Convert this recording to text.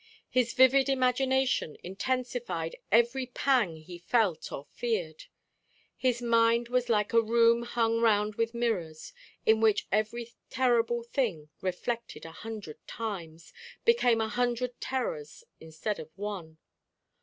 His vivid imagination intensified every pang he felt or feared. His mind was like a room hung round with mirrors, in which every terrible thing, reflected a hundred times, became a hundred terrors instead of one.